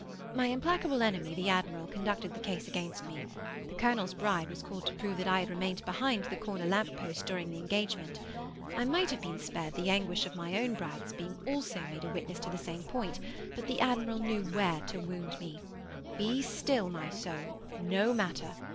My implacable enemy, the admiral, conducted the case against me. The colonel's bride was called to prove that I had remained behind the corner lamp post during the engagement. I might have been spared the anguish of my own bride's being also made a witness to the same point, but the admiral knew where to wound me. Be still, my soul, no matter.